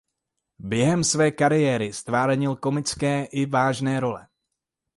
Během své kariéry ztvárnil komické i vážné role.